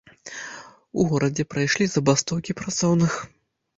У горадзе прайшлі забастоўкі працоўных.